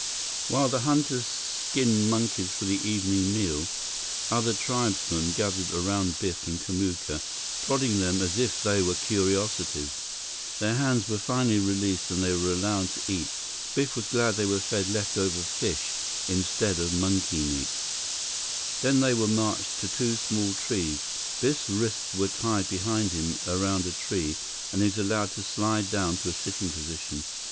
While the hunters skinned monkeys for the evening meal, other tribesmen gathered around Biff and Kamuka, prodding them as if they were curiosities. Their hands were finally released and they were allowed to eat. Biff was glad that they were fed left over fish instead of monkey meat. Then they were marched to two small trees. Biff's wrists were tied behind him around a tree, and he was allowed to slide down to a sitting position.